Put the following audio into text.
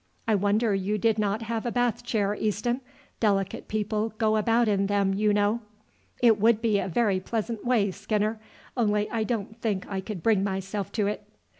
"I wonder you did not have a bath chair, Easton; delicate people go about in them, you know." "It would be a very pleasant way, Skinner, only I don't think I could bring myself to it."